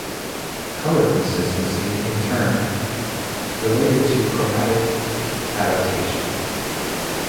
Color constancy is, in turn, related to chromatic adaptation.